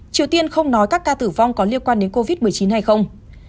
triều tiên không nói các ca tử vong có liên quan đến covid một mươi chín hay không